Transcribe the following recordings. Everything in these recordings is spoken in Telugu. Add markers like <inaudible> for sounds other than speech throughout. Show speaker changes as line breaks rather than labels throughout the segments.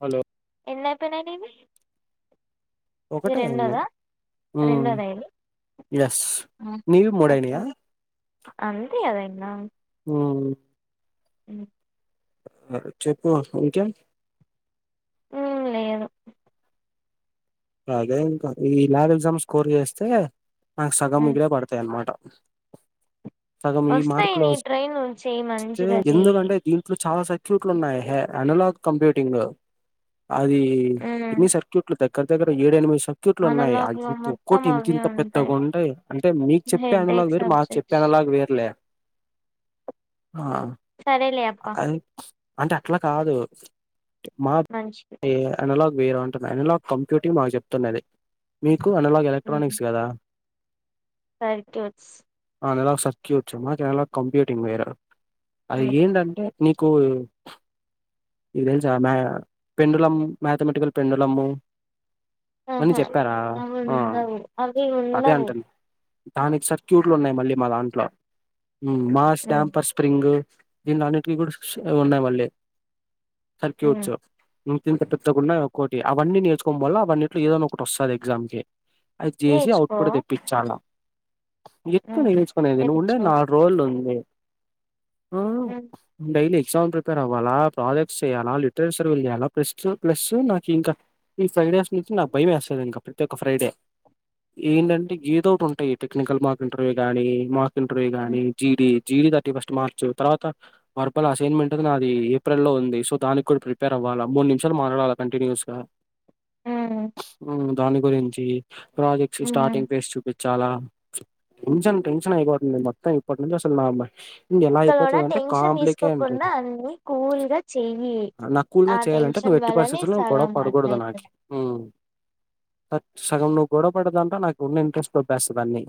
హలో
ఎన్ని అయిపోయినాయి నీవి ఇది
ఒకటే అయ్యింది
రెండోదా
ఉమ్
రెండోదా ఇది
ఎస్ నీవి మూడు
ఓకే
అయినాయా
అంతే కదా
ఉమ్ హ్మ్
అ
చెప్పు ఇంకే
ఉమ్ లేదు
అదే ఇంకా ఈ ల్యాగ్ ఎగ్జామ్స్ స్కోర్ చేస్తే నాకు సగం
ఉమ్
మిగిలే పడతాయి అన్నమాట సగం ఈ
వస్తాయి
మార్కులో
నీ
వస్త
ట్రైన్ చెయి
చే
మంచిగా చెయి
ఎందుకంటే దీంట్లో చాలా సక్యూట్లు ఉన్నాయి ఏ అనలాగ్ కంప్యూటింగ్ అది ఎన్ని సర్క్యూట్లు దగ్గర దగ్గర ఏడు ఏనిమిసూ సెక్యూట్లు ఉన్నాయి అ
అనలాగ్ లో
ఇంత
మొత్తం
ఒక్కటి ఇంత
అవే
ఇంత పెద్దగా ఉంటాయి అంటే మీకు చెప్పే అందులో
హెడేక్
వేరు మాకు చెప్పే
సబ్జెక్ట్స్
అ <unintelligible> వేర్లే ఆ
సరేలే అప్పా
అది- అంటే అట్లా కాదు మా
మంచిది
పే అనలాగ్ వేర అంటున్న అనలాగ్ కంప్యూటింగ్ మాకు చెప్తున్నది మీకు అనలాగ్ ఎలక్ట్రానిక్స్ కదా
సైక్యూస్
ఆ <unintelligible> సర్క్యూచ్చు మాక కంప్యూటింగ్ వేర అది
ఉమ్
ఏంట నీకు ఇది ఏం సార్ మ పెండులం మ్యాథమెటికల్ పెండులము అవన్నీ
ఆహా
చెప్పారా
అవి
ఆ
ఉండవు అవి
అదే
ఉండవు
అంటది దానికి సర్క్యూట్లు ఉన్నాయి మళ్ళీ మా దాంట్లో మా
ఉమ్
స్టాంపర్ స్ప్రింగ్ <unintelligible> <unintelligible> ఉన్నాయి మళ్ళీ
ఉమ్
సర్క్యూట్స్ ఇం ఇంతా పెద్దగుండాయి ఒక్కోటి అవన్నీ నేర్చుకోల్ల అవన్నిట్లో ఏదన్న ఒకటి వస్తాది ఎగ్జామ్ కి అది తీసేసి ఔట్
నేర్చుకో
కూడా తెప్పించాలా ఎప్పు
ఉమ్
నేర్చుకునేది ఉండేది
తెప్పించుకో
నాలుగు రోజులు ఉంది ఆ
ఉమ్
డైలీ ఎగ్జామ్ ప్రిపర్వ్వాలా ప్రాజెక్ట్స్ చేయాలా లిటరేచర్ రివ్యూలు చేయాలా ప్స్ ప్లస్ నాకు ఇంకా ఈ ఫ్రైడేస్ నుంచి నాకు భయం వేస్తంది ఇంక ప్రతి ఒక్క ఫ్రైడే ఏంటంటే గేదౌట్ ఉంటాయి టెక్నికల్ మార్క్ ఇంటర్వ్యూ గాని మక్ ఇంటర్వ్యూ గాని
ఉమ్
GD GD thirty first March తర్వాత వరపల్ అసైన్మెంట్ నాది ఏప్రిల్ లో ఉంది సో దానికి కూడా ప్రిపేర్ అవ్వాలి మూడు నిమిషాలు మాట్లాడాలి కంటిన్యూస్ గా
ఉమ్
ఉమ్ దాని గురించి ప్రాజెక్ట్స్
ఉమ్
స్టార్టింగ్ పేజ్ చూపించ్ చాలా టెన్షన్ టెన్షన్ అయిపోతుంది మొత్తం ఇప్పటి నుంచి అసలు నా మై మైండ్ ఏలా
ఇక్కడ కూడా
అయిపోతుదాంటే
టెన్షన్
కాంప్లికాంట్
తీసుకోకుండా అన్ని కూల్ గా చెయ్యి
నాక్కువగా
ఆ
చేయాలంటే నువ్
టెన్షన్
ఎట్టి
వల్లనే
పరిస్థితిలోనూ గొడవా
సగం
పడ్ కూడదు నాకి
అట్లయితది
ఉమ్ సగం నువ్వు గొడవ పడేదాంతా నాకు ఉన్న ఇంట్రెస్ట్ దెబ్బేస్తాది అన్నీ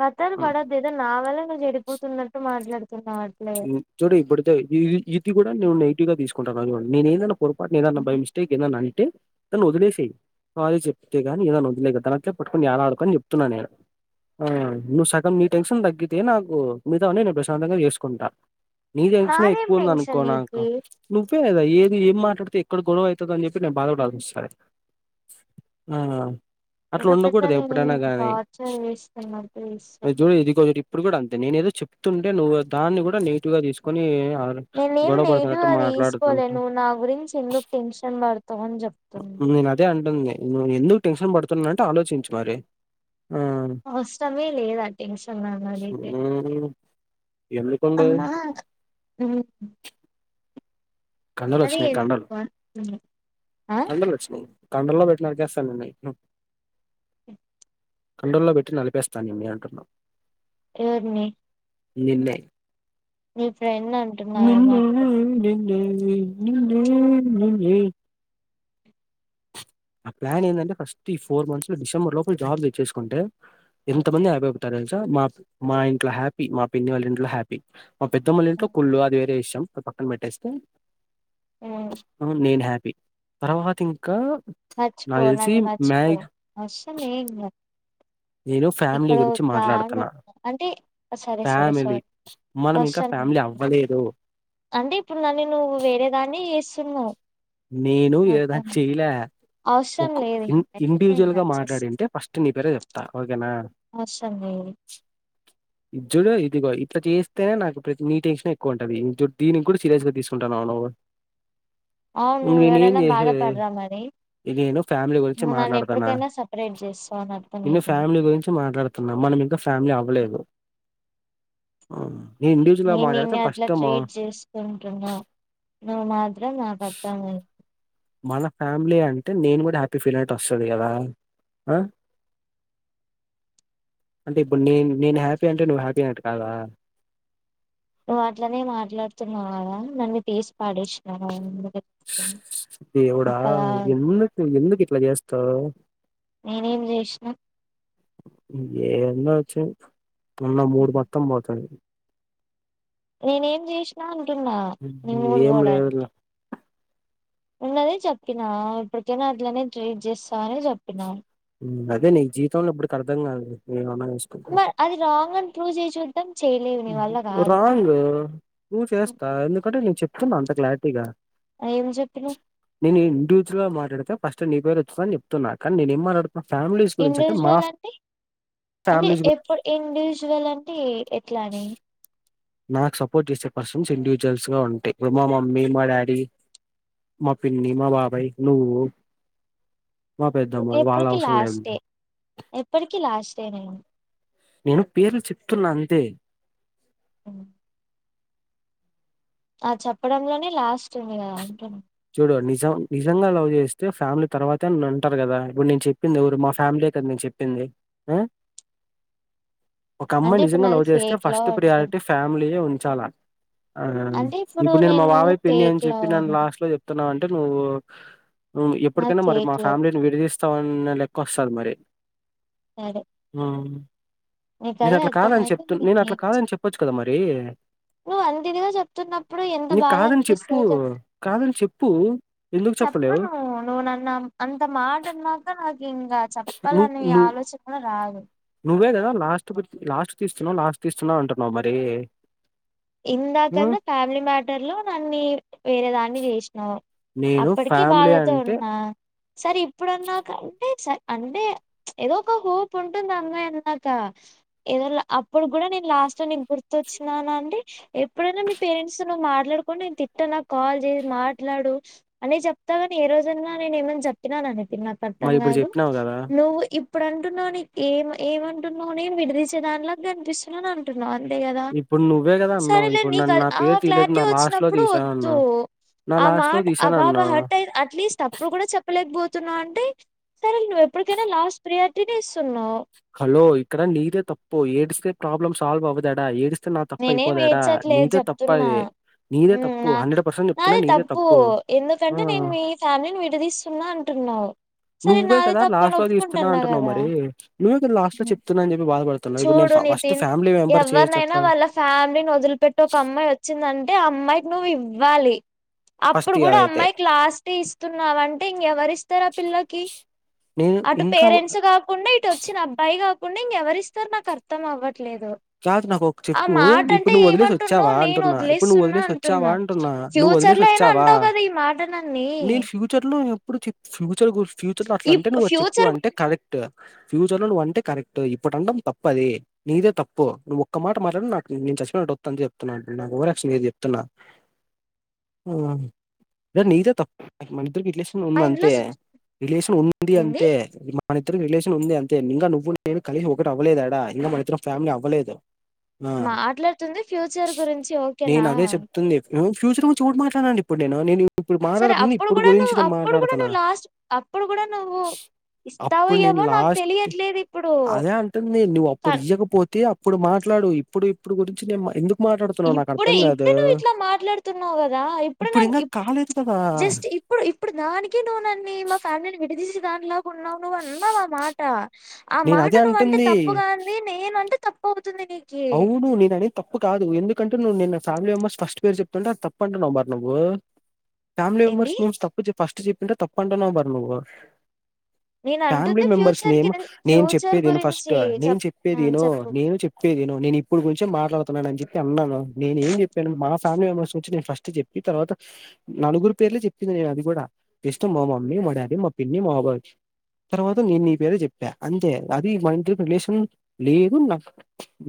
కథాలు పడద్దు నా వల్ల నువ్వు చెడిపోతున్నట్టు మాట్లాడుతున్నావ్
ఉమ్ చూడు ఇప్పుటి ఇది కూడా నేను నెగిటివ్ గా తీసుకుంటానవ్ చూడు నేన్ ఏదైనా పొరపాటున ఏదన్నా బై మిస్టేక్ ఏదన్నా అంటే దాన్ని వదిలేసయి సారీ చెప్తే గాని ఏదనా వదిలే అట్లే పట్టుకోని ఎలాడకు అని చెప్తున్నాను నేను ఆ నువ్వు సగం నీ టెన్షన్ తగ్గితే నాకు మితావన్ని నేను ప్రశాంతంగా చేసుకో కుంటా నీ టెన్షనే
నాదేం
ఎక్కువ ఉంది
టెన్షన్
అనుకో నాకు
నీకి
నువ్వే కదా ఏది ఏం మాట్ అక్కడికి ఎక్కడ గొడవ అవుతుంది అని చెప్పి నేను బాధ పడాల్సి వస్తాది ఆ అట్లా
ఏదో పెద్ద
ఉండకూడదు
నేను
ఎప్పుడైనా
నిన్ను
గానీ
టార్చర్ చేస్తున్నట్టు చేస్తావ్
నిజమే ఇది కొదిరిప్ ఇప్పుడు కూడా అంతే నేను ఏదో చెప్తుంటే నువ్వు దాన్ని కూడా నెగిటివ్గా తీసుకొని
నేనేం
గొడవ పడుతున్నట్టు
నెగెటివ్గా తీసుకోలే
మాట్లాడుతుంటావ్
నువ్వు నా గురించి ఎందుకు టెన్షన్ పడతావు అని జెప్తున్న
నేను అదే అంటుంది నువ్ ఎందుకు టెన్షన్ పడుతున్నానంటే ఆలోచించి మరి ఆ
అవసరమే లేదా టెన్షన్ నన్నడిగితే
మ్మ్ ఎందుకుండదు
అమ్మ ఉమ్
కండలు వచ్చినయి కండలు
ఆ
కండలు వచ్చినయి కండల్లో పెట్టినరికేస్తా నైట్ ను కండూల్లో పెట్టి నలిపేస్తా నిన్నీ అంటున్నా
ఎవుర్ని
నిన్నే
అంటున్నావేమో
<unintelligible>
అనుకున్నా.
ని ని నా ప్లాన్ ఏదంటే ఫస్ట్ ఈ ఫోర్ మంత్స్ లో డిసెంబర్ లోపల జాబ్ తెచ్చేసుకుంటే ఎంత మంది హ్యాపీ అయిపోతారో తెల్సా మా మా ఇంట్లో హ్యాపీ మా పిన్ని వాళ్ళ ఇంట్లో హ్యాపీ మా పెద్దమ్మోల ఇంట్లో కుళ్ళు అది వేరే విషయం పక్కన పెట్టేస్తే ఉమ్ నేను హ్యాపీ తర్వాత ఇంకా
మచ్చిపో
నాకు తెలిసి
నన్నీ మచ్చిపో
మ్యాగ్
అవశ్రమేమేంలే
నేను ఫ్యామిలీ గురించి మాట్లాడుతన్నా
అంటే సరే సరే
ఫ్యామిలీ
సారీ
మనం ఇంకా
అవసరం
ఫ్యామిలీ
లేదు
అవ్వలేదు
అంటే ఇప్పుడు నన్ని నువ్వు వేరే దాన్ని చేస్తున్నావ్
నేను ఏదా చేయాలా
అవసరం
ఓకో
లేదు
ఇ
ఇంకైతే ఇంక
ఇండివిజువల్ గా
వచ్చేసి
మాట్లాడింటే ఫస్ట్ నీ పేరే చెప్తా ఓకేనా
అవ్శ్రంలేదు
క ఇద్ చూడు ఇదిగో ఇట్లా చేస్తేనే నాకు ప్రతి నీ టెన్షన్ ఎక్కువ ఉంటుది చూడు దీనికి కూడా సీరియస్గా తీసుకుంటన్నావ్
అవును ఎవరన్న
చేసేది
బాధపడ్రా మరీ
ఇది నేను ఫ్యామిలీ గురించి మాట్లాడుతాన్నా
సపరేట్ చేస్తావు అని అర్థం
నేను
అవుతుంది
ఫ్యామిలీ గురించి మాట్లాడుతాన్నా మన ఇంకా ఫ్యామిలీ అవ్వలేదు నేను ఇండివిజువల్ గా
నేను
మాట్లాడితే
నిన్ని అట్లా
ఫస్ట్
ట్రీట్ చేసుకుంటున్నా నువ్వు మాత్రం నాకు అర్థం అయింది
మన ఫ్యామిలీ అంటే నేను కూడా హ్యాపీ ఫీల్ అయిట్ వస్తుంది కదా ఆ అంటే ఇప్పుడు నే నేను హ్యాపీ అంటే నువ్వు హ్యాపీ అయినట్టు కాదా
నువ్వు అట్లనే మాట్లాడుతున్నావు కదా నన్ను తీసు పడేసినవ మరి
దేవుడా
ఒకదాని
తో
నేనేం చేసినా
ఏందో చీ ఉన్న మూడు మొత్తం పోతది
నేనేం చేసినా అంటున్నా నీ మూడు
ఏం లేదు
పోవడానికి ఉన్నదే చెప్పినా ఇప్పటికైనా అట్లనే ట్రీట్ చేస్తావని చెప్పినా
అదే నీ జీవితంలో ఇప్పుటికి అర్థం కాదు న
రి అది రాంగ్ అని ప్రూవ్ చేయి చు
రాంగ్ ప్రూవ్ చేస్తా ఎందుకంటే నేను చెప్తున్నా అంత క్లారిటీగా
ఏం చెప్పినవ్
నేను హింట్ ఇచ్చిన మా అడితే ఫస్ట్ నీ పేరు ఎత్తుత అని చెప్తున్నా కానీ నేను ఏం మాట్లాడుతూ
ఇండివిజువల్ అంటే అంటే
ఫ్యామిలీస్ గురించి
ఎప్పు ఇండివిజువల్ అంటే ఎట్లాని
నాకు సపోర్ట్ చేసే పర్సన్స్ ఇండివిజువల్స్ గా ఉంటె ఇప్పుడు మా మమ్మీ మా డాడీ మా పిన్ని మా బాబై నువ్
ఎప్పటికి లాస్ట్ డే ఎప్పటికి లాస్ట్ డే నేను
నేను పేర్లు చెప్తున్నా అంతే
అ ఆ చెప్పడంలోనే లాస్ట్ ఉంది కదా అంటున్న
చూడు నిజం నిజంగా లవ్ చేస్తే ఫ్యామిలీ తర్వాతే అంటారు కదా ఇప్పుడు నేను చెప్పింది ఎవరు మా ఫ్యామిలీ కదా నీకు చెప్పింది ఆ ఒక
అంటే
అమ్మాయి
ఇప్పుడు
నిజంగా
నాది
లవ్ చేస్తే
ఫేక్
ఫస్ట్
లవ్ అంటుంది
ప్రియారిటీ ఫ్యామిలీయే ఉంచాల ఆహా
అంటే
ఇప్పుడు నేను మా బాబయి పిన్ని అని
ఫేక్
చెప్పి
లవ్
నను
అను
లాస్ట్ లో చెప్తా అనవు అంటే నువ్వు
నాది
ఎప్పుటికైనా మరి
ఫేక్
మా
లవ్
ఫ్యామిలీ విడదిస్త్ వస్తన్న లెక్క్ వస్తది మరి
సరే
ఆ
నీకు
నేను
అదే
అట్లా కాదని
అర్థమయితే
చెప్తు నేను
నే
అట్లా కాదని చెప్పొచ్చు కదా మరి
నువ్వు అంత ఇదిగా చెప్తున్నప్పుడు ఎంత
నేను
బాధ
కాదని చెప్పు
అనిపిస్తది చెప్
కాదని చెప్పు ఎందుకు చెప్ప
చెప్తన్న కదా నువ్వు నన్ను అంత మాటన్నాక ఇంగ
నువ్వు
చెప్పలన్న
నువ్వు
ఆలోచన కూడా రాదు
నువ్వే కదా లాస్ట్ లాస్ట్ తీస్తున్నావు లాస్ట్ తీస్తున్నా అంటున్నావు మరి హ్మ్.
ఇందాకనే ఫ్యామిలీ మ్యాటర్ లో నన్ని వేరే దాన్ని చేసినావు
నేను
అప్పటికి
ఫ్యామిలీ
బాదతో
అంటే
ఉన్నా సరే ఇప్పుడన్నాక అంటే అంటే ఏదో ఒక హోప్ ఉంటుంది అమ్మాయి అన్నాక ఏదోలే అప్పుడు కూడా నేను లాస్ట్ లో నీకు గుర్తొచ్చినాన అంటే ఎప్పుడైనా మీ పేరెంట్స్ తో నువ్వు మాట్లాడుకుంటే నేను తిట్ట నాకు కాల్ చేసి మాట్లాడు అనే చెప్ప తే గాని ఏ రోజైనా నేను ఏమనా చెప్పినాన నాకు అర్థం
మరి ఇప్పుడు
కాదు
చెప్పినావు కదా
నువ్వు ఇప్ ఇప్పుడు అంటున్నావు ఏ ఏమంటున్నావు నేను విడిదిసే దానిలా కనిపిస్తున్నాను అంటున్నావు అంతే కదా
ఇప్పుడు నువ్వే కదా అన్నావు
సరేలే
ఇప్పుడు
నీకు
నన్ను నా పేరు
ఆ
తీయలేదు
క్లారిటీ
నా లాస్ట్ లో
వచ్చినప్పుడు వద్దు
తీసానన్నావు నా
ఆ
లాస్ట్ లో
మాట ఆ బాబ
తీసానన్నా
హట్ అయి అట్లీస్ట్ అప్పుడు కూడా చెప్పలేకపోతున్నావు అంటే సరే నువ్ ఎప్పుటికైనా లాస్ట్ ప్రియారిటీ నే ఇస్తూ
హలో ఇక్కడ నీదే తప్పు ఏడిస్తే ప్రాబ్లమ్ సాల్వ్ అవదు ఏడా ఏడ్స్
నేనే ఏమి ఏడ్చట్లేదు చెప్తున్నా
అది నీదే తప్పు
నా
హండ్రెడ్ పర్సెంట్ చెప్తున్నా
నాది
నీదే
తప్పు
ఆ
ఎందుకంటే నేను మీ ఫ్యామిలీని విడదీస్తున్నా అంటు నో
నువ్వే కదా లాస్ట్ లో తీస్తున్నావు అంటున్నావు
కదా
మరి నువ్వే కదా లాస్ట్ లో
ఉమ్.
చెప్తున్నా అని చెప్పి బాధపడుతున్నావు ఇప్పుడు నేను
చూడు
ఫస్ట్
నితిన్
ఫ్యామిలీ మెంబర్ చే చెప్ప
ఎవరినైనా వాళ్ళ ఫ్యామిలీని వదిలిపెట్టి ఒక అమ్మాయి వచ్చిందంటే అంటే అమ్మాయికి నువ్వు ఇవ్వాలి
ఫస్ట్
అప్పుడు
ఇయాల
కూడా
అయితే
అమ్మాయి క్లాస్ట్ ఇస్తున్నావ అంటే ఇంకెవరు ఇస్తారు పిల్లకి
నేను
అటు
ఇంకా
పేరెంట్స్ కాకుండా ఇటు వచ్చిన అబ్బాయి కాకుండా ఇంకెవరి ఇస్తారు నాకు అర్థం అవ్వట్లేదు లేదు
కాదు నాకు ఒక చెప్పు ఇప్పుడు నువ్వు వదిలేసి వచ్చావా
ఏమంటున్నావు నేను
అంటున్నా ఇప్పుడు నువ్వు
వదిలేస్తున్నా
వదిలేసి వచ్చావా అంటున్నా నువ్వు వదిలే
ఫ్యూచర్ లో అయినా
వచ్చావా
అంటావు కదా ఈ మాట నన్ని
నేను ఫ్యూచర్ లో ఇప్పుడు ఫ్యూచర్ ఫ్యూచర్లో అట్
ఈ
అ నువ్వు
ఫ్యూచర్
చెప్పుకువంటే కరెక్ట్ ఫ్యూచర్ లో ను అంటే కరెక్ట్ ఇప్పుడు అంటాం తప్పది నీదే తప్పు నువ్వు ఒక్క మాట మాట్లాడకు నా నేను చచ్చిపోయిన అంతే ఒట్టు అని చెప్తున్నా ఓవరాక్షన్ చేయకు నేను చెప్తున్నా ఉ నీదే తప్పు రిలేషన్
మా
ఉంది
ఇంట్లో
అంతే రిలేషన్ ఉంది
ఏంది
అంతే రిలేషన్ ఉంది అంతే ఇక నువ్వును కలిసి ఒకటి అవ్వలేదు ఏడ ఇక మన ఇద్దరం ఫ్యామిలీ అవ్వలేదు ఆ!
మాట్లాడుతుంది ఫ్యూచర్ గురించి ఓకేనా
నేనదే చెప్తుంది. హ్మ్. ఫ్యూచర్ నుంచి ఎవరు మాట్లాడమన్నారు ఎప్పుడు నేను నిన్ను ఇప్పుడు
సరే
మాట్లాడుతుంది
అప్పుడు
ఇప్పుడు
కూడా
గురించి
నువ్వు
నేను
అప్పుడు కూడా
మాట్లాడుతనా
నువ్వు లాస్ట్ అప్పుడు కూడా నువ్వు ఇస్తావో
అప్పుడు నేను
ఇయ్యవో నాకు
లాస్ట్
తెలియట్లేదు ఇప్పుడు
అదే అంటుంది నేను నువ్వు అప్పుడు ఇయ్వకపోతే ఇప్పుడు మాట్లాడు ఇప్పుడు ఇప్పుడు గురించి నేను ఎందుకు మాట్లాడుతున్నావు నాకు
ఇప్పుడే
అర్థం కాదు.
ఇప్పుడే నువ్వు ఇట్లా మాట్లాడుతున్నావు కదా ఇప్పుడు
ఇంకా
నప్పు
కాలేదు కదా!
జస్ట్ ఇప్పుడు ఇప్పుడు దానికి నువ్వు నన్నీ మా ఫ్యామిలీని విడదీసి దాంలాకు ఉన్నావు అన్నావా మాట ఆ
నేను
మాట
అదే
నువ్వ అంటే
అంటుంది.
తప్పుగా అంది నేన అంటే తప్పు అవుతుంది నీకి
అవును నను అనే తప్పు కాదు ఎందుకు అంటే నువ్వున్న నా ఫ్యామిలీ మెంబర్స్ ఫస్ట్ పేరు చెప్తుంటే అ తప్పంటున్నావ్ నువ్వు ఫ్యామిలీ
ఏంది
మెంబర్షిప్ తప్పు ఫస్ట్ చెప్పంట తప్పంటానే
నేను
ఫ్యామిలీ
అంటుంది
మెంబర్స్
ఫ్యూచర్
నేమ్
కి
నేను
ఫ్యూచర్
చెప్పేదిను ఫస్ట్
గురించి
నేను
చెప్ ఆ
చెప్పేదిను
చెప్పు
నేను చెప్ప చెప్పే ఇను ఇప్పుడు గురించి మాట్లాడుతున్నాను అని చెప్పి అన్నాను నేను ఏం చెప్పాను మా ఫ్యామి మెంబర్స్ గురించి నేను ఫస్ట్ చెప్పి తర్వాత నలుగురు పేర్లు చెప్పింది నేను అది కూడా ఇస్తం మా మమ్మీ మా డాడి మా పిన్ని మా బాబాయ్ తర్వాత నీ పేరు చెప్పా అంతే అది మా ఇంటి రిలేషన్ లేదు నాకు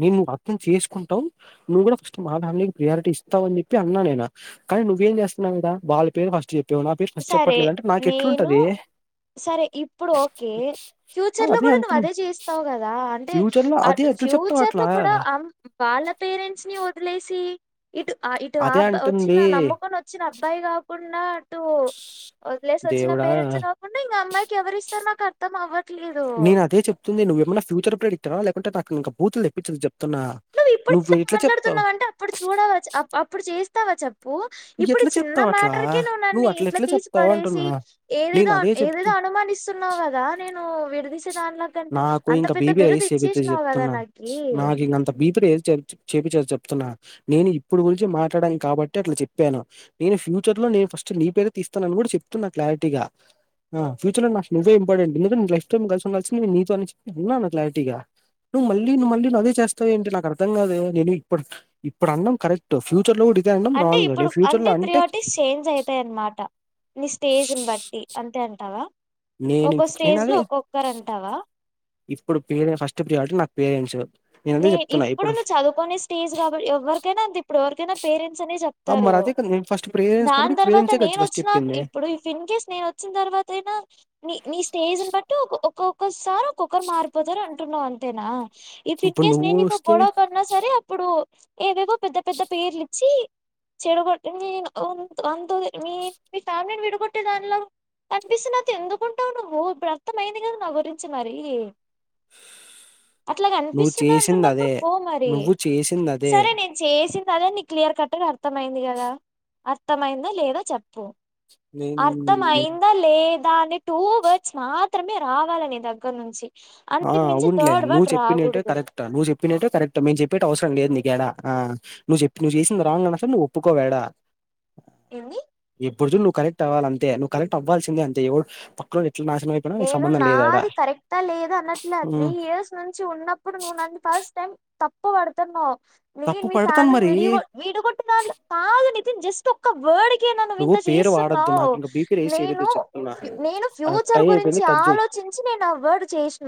నేను నువ్వు అర్థం చేసుకుంటావు నువ్వు కూడా ఫస్ట్ మా ఫ్యామిలీ ప్రయారిటీ ఇస్తావ అని చెప్పి అన్నా నే కానీ నువ్వేం చేస్తున్నావు కదా వాళ్ళ పేరు ఫస్ట్ చెప్పావు నా పేరు ఫస్ట్
సరే
చెప్పట్లేదు అంటే నాకు
నేను
ఎట్లుంటదే
సరే ఇప్పుడు ఓకే
ఆ,
ఫ్యూచర్ లో కూడా నువ్వు
అంటుంది
అదే చేస్తావు కదా అంటే
ఫ్యూచర్ లో అదే ఎట్లా
ఫ్యూ
చెప్తావు
ఫ్యూచర్లో
అట్లా
కూడా వాళ్ళ పేరెంట్స్ ని వదిలేసి ఇటు ఇటు ఆ
అదే
అబ్బా వచ్చిన
అంటుంది
నమ్మకం వచ్చిన అబ్బాయి కాకుండా వదిలేసి వచ్చిన
దేవుడా
పేరెంట్స్ కాకుండా ఇంకా అమ్మాయికి ఎవరి ఇస్తారు నాకు అర్థం అవరు
నేను అద చెప్తుంది నువ్వ ఏమన్నా ఫ్యూచర్ ప్రొడిక్ అ లేకుంటే నాకు ఇక బూతులు తెప్పించదు చెప్ చఆ
ఇప్పుడు
నువ్వు ఇట్లా చెప్తావు
మాట్లాడుతున్నావంటే అప్పుడు చూడవా చె- అప్- అప్పుడు చేస్తావా చెప్పు ఇప్పుడు
ఎట్లా
చిన్న
చెప్తావు అట్లా
మ్యాటర్కే నువ్వు నన్నన్ని
అట్ల
ఇట్లా
ఎట్లా
తీసి
చెప్తావు
పడేసి
అంటున్నా నేను
ఏదేదో
అదే చెప్తు
ఏదేదో అనుమానిస్తున్నావు కదా నేను విడదీసే దానిలోంటే
నాకు
అంత
ఇంక
పెద్ద
బీపీ
బిరుదు
రైస్ చేపితే
ఇచ్చేసినావు కదా నాకి
చెప్తున్నాను నేను ఇప్పుడు గురించి మాట్లాడానికి కాబట్టి అట్లా చెప్పాను నేను ఫ్యూచర్ లో నేను ఫస్ట్ నీ పేరు తీస్తానని కూడా చెప్తున్నా క్లారిటీ గా ఆ ఫ్యూచర్ లో నాకువ్వే ఇపటెంట్ ఎందుకంటే లఫ్ టైం కలిసిం కలిసింది నే నీతో అని చెప్పిన్నాను క్లారిటీగా నువ్వు మళ్ళీ నువ్వు మళ్ళ అదే చేస్తావ్ ఏంటి నాకు అర్థం కాదు నేను ఇప్పుడు ఇప్పుడు అన్నం కరెక్ట్ ఫ్యూచర్ లో కూడా ఇదే అనడం
అంటే
రాంగ్
ఇప్పుడు
నేను ఫ్యూచర్ లో
అంతే
అంటే
త్ర్రియారిటీస్ చేంజ్ అవుతాయన్నమాట నీ స్టేజ్ని బట్టి అంతే అంటావా
నేను
ఒక్కొ
నేను
స్టేజ్
అదే
లో ఒక్కొక్కరు అంటావా
ఇప్పుడు పేరె ఫస్ట్ ప్రియాలటీ నాకు పేరెంట్స్ నేను అదే
నే
చెప్తున్నా
ఇప్పుడు నువ్వు చదువుకునే స్టేజ్ కాబట్టి ఎవ్వరికైనా అంతే ఇప్పుడు ఎవరికైనా పేరెంట్ స్ అని
ఆ
చెప్తారు
మరి అదే కదా నేను ఫస్ట్ పేరెంట్స్
దాని
కాబట్టి
తర్వాత
పేరెంట్సే కదా
నేను
ఫస్ట్
వచ్చిన
చెప్పింది
ఇప్పుడు ఇఫ్ ఇన్ కేేస్ నేను వచ్చిన తర్వాతయినా న నీ స్టే స్టేజిని బట్టి ఒ ఒక్కొక్కసారి ఒక్కొక్కరు మారిపోతారు అంటున్నావు అంతేనా ఇఫ్
ఇప్పుడు
ఇన్కేస్
నువ్వు
నేను నీతో
వస్తే
గొడవ పడినా సరే అప్పుడు ఏవేవో పెద్ద పెద్ద పేర్లిచ్చి చెడుగు మీ అ మీ మీ త మీ ఫ్యామిలీని విడగొట్టే దానిలా అనిపిస్తునా ఎందుకుంటావు నువ్వు ఇప్పుడు అర్థం అయింది కదా నా గురించి మరి అట్లాగ
నువ్వు
కనిపిస్తున్నా
చేసింది
అంటున్నప్పుడు
అదే
పో మరి
నువ్వు చేసింది అదే
సరే నేను చేసింది అద నీ క్లియర్ కట్గా అర్థమయింది కదా అర్థమైందా లేదా చెప్పు
నేను
అర్థంమయిందా లేదా దాన్ని టూ వర్డ్స్ మాత్రమే రావాల నీ దగ్గర నుంచి అంతకు మించి థర్డ్ వర్డ్ రాగుడదు
కరెక్ట నువ్ చెప్పినట్ కరెక్ట్ మేం చెప్పేటివి అవసరం లేదు నీకు ఎడా ఆ నువ్వు చెప్పి నువ్వు చేసింది రాంగ్ అసలు నువ్వు ఒప్పుకోవు యాడ
ఎంది
ఎప్పుడు జూడు నువు కరెక్ట్ అవ్వాలంతే నువ్ కరెక్ట్ అవ్వాల్సిందే అంతే ఎవడు పక్కనోడు ఎట్ల నాశనం అయిపోయినా నీకు సంబంధం లేదాడా
లేద అనట్లే త్రీ
ఉమ్,
ఇయర్స్ నుంచి ఉన్నప్పుడు నువ్వు నన్ను ఫస్ట్ టైం తప్పు పడుతున్నావ్ నేను
తప్పు
మీ
పడతాను
ఫ్యామిలీని
మరి
విడి విడగొట్ట కాదు నితిన్ జస్ట్ ఒక వర్డ్ ే నువు
నువ్వు
ఇంత
పేరు వాడొద్దు
చేస్తున్నావు
నాకు ఇంక బీపీ రేస్
నేను
చేయొద్దు చెప్తున్నా
నేను
ఆ
ఫ్యూచర్ ఫ్యూచర్
టైం
గురించి
అయిపోయింది కట్ చేయి
ఆలోచించి నేను ఆ వర్డ్ చేసినా